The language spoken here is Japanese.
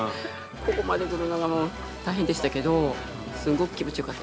ここまで来るのがもう大変でしたけどすごく気持ちよかったですね。